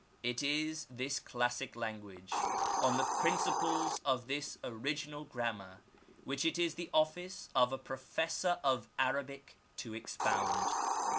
It is this classic language, on the principles of this original grammar, which it is the office of a Professor of Arabic to expound.